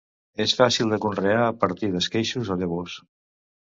És fàcil de conrear a partir d'esqueixos o llavors.